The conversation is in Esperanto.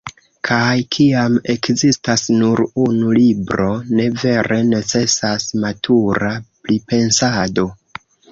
Kaj kiam ekzistas nur unu libro, ne vere necesas “matura pripensado”.